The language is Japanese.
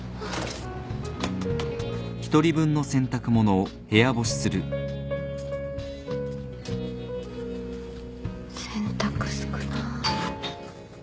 洗濯少なっ。